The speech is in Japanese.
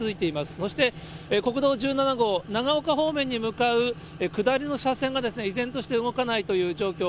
そして国道１７号、長岡方面に向かう下りの車線が依然として動かないという状況。